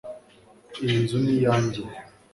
Iyi nzu ni iyanjye